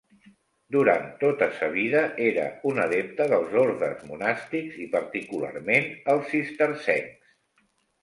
Durant tota sa vida era un adepte dels ordes monàstics i particularment els cistercencs.